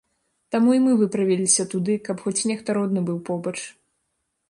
Таму і мы выправіліся туды, каб хоць нехта родны быў побач.